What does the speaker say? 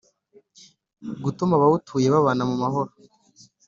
gutuma abawutuye babana mu mahoro